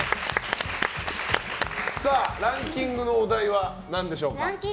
ランキングのお題は何でしょうか。